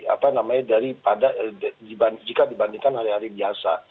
apa namanya jika dibandingkan hari hari biasa